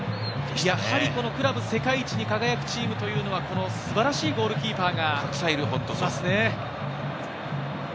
やはりクラブ世界一に輝くチームというのは素晴らしいゴールキーパーがいますね。